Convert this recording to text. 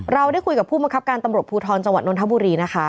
เราได้คุยกับผู้บังคับการตำรวจภูทรจังหวัดนทบุรีนะคะ